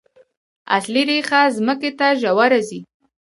اصلي ریښه ځمکې ته ژوره ځي